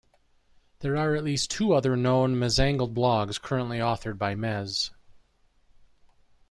There are at least two other known mezangelled blogs currently authored by mez.